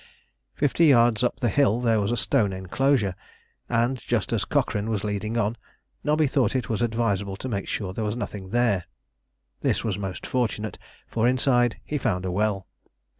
Fifty yards up the hill there was a stone enclosure, and just as Cochrane was leading on, Nobby thought it was advisable to make sure there was nothing there. This was most fortunate, for inside he found a well.